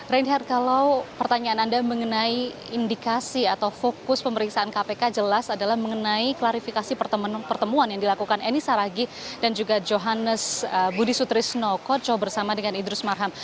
reinhard kalau pertanyaan anda mengenai indikasi atau fokus pemeriksaan kpk jelas adalah mengenai klarifikasi pertemuan yang dilakukan eni saragi dan juga johannes budi sutrisno koco bersama dengan idrus marham